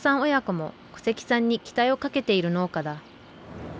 親子も古関さんに期待をかけている農家だ。